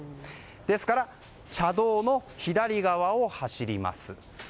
ですから、車道の左側を走ります。